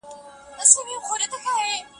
د بادارانو په نشه کې د شراب جنګ دی